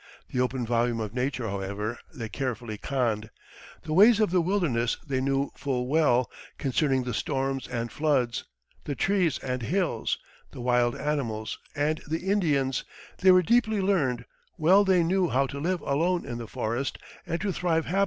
The open volume of nature, however, they carefully conned. The ways of the wilderness they knew full well concerning the storms and floods, the trees and hills, the wild animals and the Indians, they were deeply learned; well they knew how to live alone in the forest, and to thrive happily although surrounded by a thousand lurking dangers.